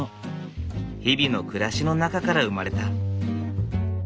日々の暮らしの中から生まれた。